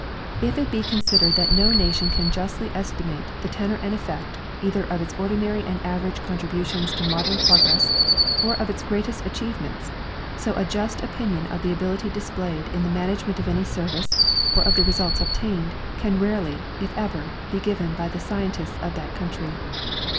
If it be considered that no nation can justly estimate the tenor and effect, either of its ordinary and average contributions to modern progress or of its greatest achievements, so a just opinion of the ability displayed in the management of any service, or of the results obtained, can rarely, if ever, be given by the scien tists of that country.